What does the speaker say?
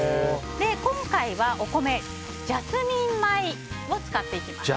今回はお米、ジャスミン米を使っていきます。